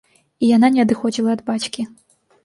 І яна не адыходзіла ад бацькі.